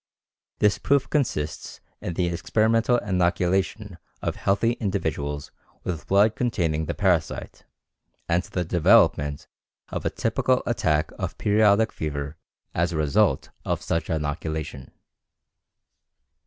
This proof consists in the experimental inoculation of healthy individuals with blood containing the parasite and the development of a typical attack of periodic fever as a result of such inoculation.